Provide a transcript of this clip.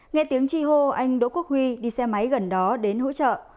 nghe tiếng chi hô anh đỗ quốc huy đi xe máy gần đó đến hỗ trợ